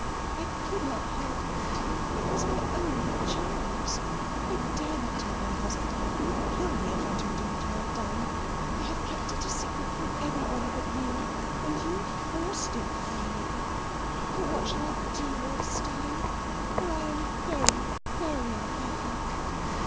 "I could not help it. It was my only chance. I dare not tell my husband. He would kill me if I told him what I have done. I have kept it a secret from everybody but you and you forced it from me. Ah, what shall I do, Lord Steyne? for I am very, very unhappy!"